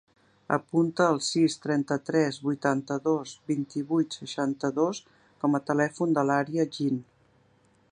Apunta el sis, trenta-tres, vuitanta-dos, vint-i-vuit, seixanta-dos com a telèfon de l'Ària Jin.